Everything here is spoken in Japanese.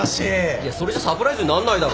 いやそれじゃサプライズになんないだろ。